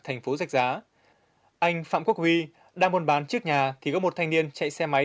thành phố giạch giá anh phạm quốc huy đang muốn bán trước nhà thì có một thanh niên chạy xe máy